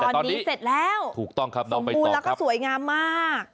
แต่ตอนนี้เสร็จแล้วสมบูรณ์แล้วก็สวยงามมาก